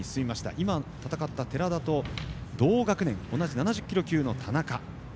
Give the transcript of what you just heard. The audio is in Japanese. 今、戦った寺田と同学年、同じ７０キロ級の田中。